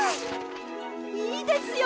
いいですよ！